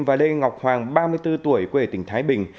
và lê ngọc hoàng ba mươi bốn tuổi quê tỉnh thái bình